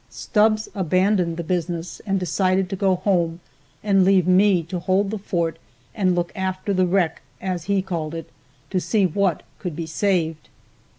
Stubbs abandoned the business and decided to go home and leave me to hold the fort and look after the wreck, as he called it, to see what could be saved.